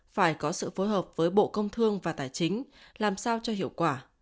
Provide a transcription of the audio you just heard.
phải có sự phối hợp với bộ công thương và tài chính làm sao cho hiệu quả